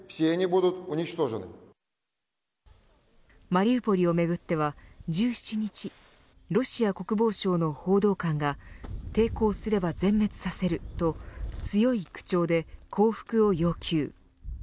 マリウポリをめぐっては１７日ロシア国防省の報道官が抵抗すれば全滅させると強い口調で降伏を要求。